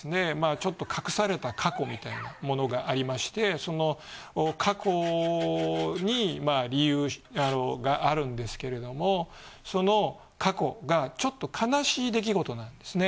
ちょっと隠された過去みたいなものがありましてその過去に理由があるんですけれどもその過去がちょっと悲しい出来事なんですね。